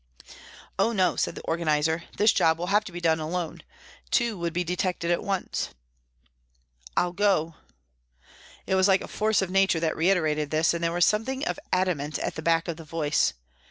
" Oh, no," said the organiser, " this job will have to be done alone two would be detected at once." " I'll go." It was like a force of nature that reiterated this, and there was some thing of adamant at the back of the voice.